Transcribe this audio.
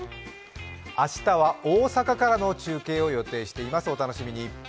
明日は大阪からの中継を予定しています、お楽しみに。